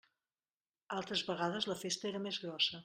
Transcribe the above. Altres vegades la festa era més grossa.